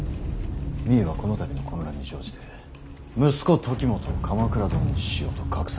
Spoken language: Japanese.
実衣はこの度の混乱に乗じて息子時元を鎌倉殿にしようと画策した。